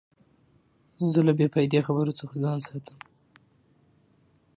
زه له بې فایدې خبرو څخه ځان ساتم.